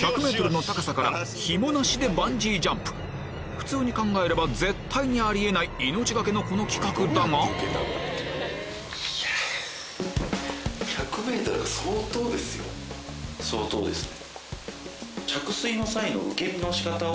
普通に考えれば絶対にあり得ない命懸けのこの企画だが相当ですね。